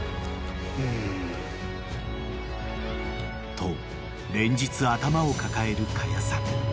［と連日頭を抱える可夜さん］